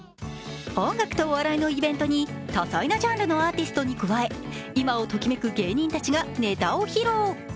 音楽とお笑いのイベントに多彩なジャンルのアーティストに加え今をときめく芸人たちがネタを披露。